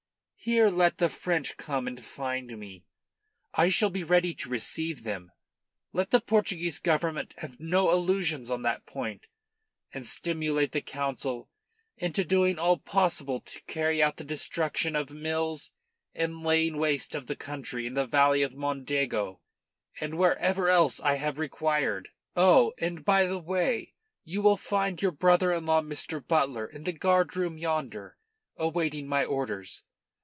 Here let the French come and find me, and I shall be ready to receive them. Let the Portuguese Government have no illusions on that point, and stimulate the Council into doing all possible to carry out the destruction of mills and the laying waste of the country in the valley of the Mondego and wherever else I have required. "Oh, and by the way, you will find your brother in law, Mr. Butler, in the guard room yonder, awaiting my orders.